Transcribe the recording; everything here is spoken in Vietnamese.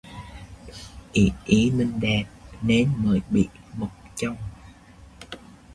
Ỷ y mình đẹp, nên mới bị mất chồng